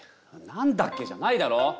「何だっけ？」じゃないだろう。